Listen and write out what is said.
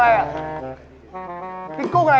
แฮเป็นปลา